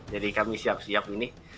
jadi kami siap siap ini